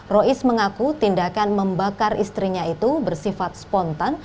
rois mengaku tindakan membakar istrinya itu bersifat spontan